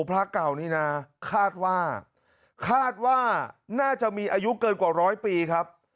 พระเก่านี่นะคาดว่าคาดว่าน่าจะมีอายุเกินกว่าร้อยปีครับ